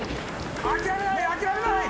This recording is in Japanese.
諦めない諦めない！